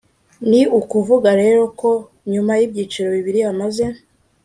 ni ukuvuga rero ko nyuma y'ibyiciro bibiri, hamaze